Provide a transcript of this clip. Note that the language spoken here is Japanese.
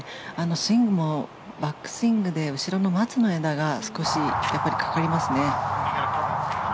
スイングもバックスイングで後ろの松の枝が少しかかりますね。